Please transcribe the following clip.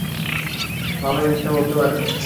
ভালোই মিথ্যা বলতে পারেন।